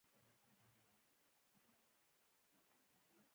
لمسی له ژمنو سره لویېږي.